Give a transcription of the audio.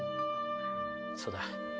そうだ。